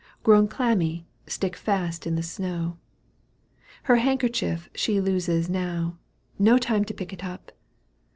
Grown clammy, stick fast in the snow ; Her handkerchief she loses now ; No time to pick it up